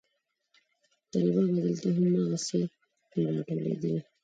طلبا به دلته هم هماغسې پرې راټولېدل.